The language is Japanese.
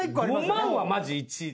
５万はマジ１位で。